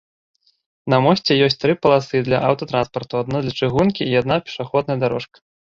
На мосце ёсць тры паласы для аўтатранспарту, адна для чыгункі і адна пешаходная дарожка.